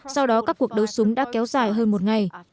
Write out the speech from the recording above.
sau đó các cuộc đấu súng đã kéo qua các nhà ở